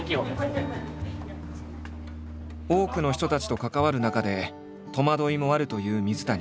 多くの人たちと関わる中で戸惑いもあるという水谷。